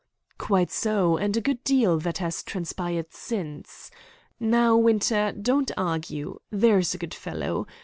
"Quite so, and a good deal that has transpired since. Now. Winter, don't argue, there's a good fellow.